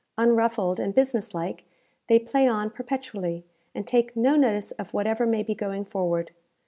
Unruffled and business like, they play on perpetually, and take no notice of whatever may be going forward.